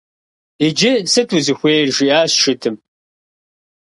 - Иджы сыт узыхуейр? - жиӏащ шыдым.